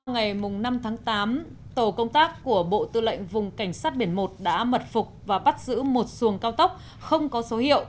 ngày năm tháng tám tổ công tác của bộ tư lệnh vùng cảnh sát biển một đã mật phục và bắt giữ một xuồng cao tốc không có số hiệu